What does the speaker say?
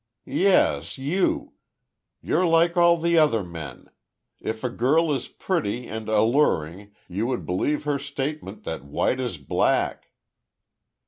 "Yes, you! You're like all the other men! If a girl is pretty and alluring, you would believe her statement that white is black!"